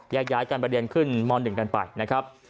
ย้ายกันไปเรียนขึ้นม๑กันไปนะครับ